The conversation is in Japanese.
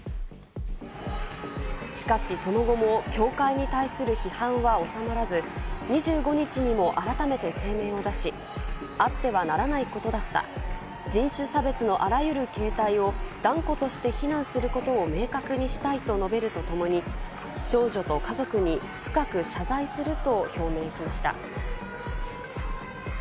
しかしその後も協会に対する批判は収まらず、２５日にも改めて声明を出し、あってはならないことだった、人種差別のあらゆる形態を断固として非難することを明確にしたいと述べるとともに、少女と家族に深く謝罪すると表明しました。